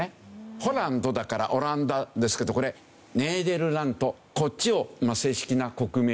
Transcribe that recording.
「Ｈｏｌｌａｎｄ」だからオランダですけどこれネーデルラントこっちを正式な国名にしますと。